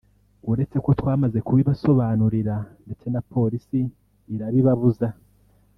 uretse ko twamaze kubibasobanurira ndetse na polisi irabibabuza